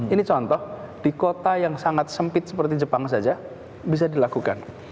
ini contoh di kota yang sangat sempit seperti jepang saja bisa dilakukan